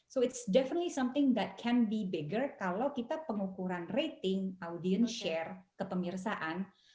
so it's definitely something that can be bigger kalau kita pengukuran rating audience share kepemirsaan